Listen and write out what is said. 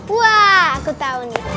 wah aku tau nih